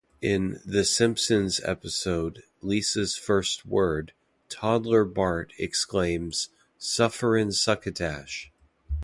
In "The Simpsons" episode Lisa's First Word, toddler Bart exclaims "Sufferin' succotash!